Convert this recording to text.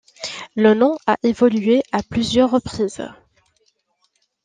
Le nom a évolué à plusieurs reprises.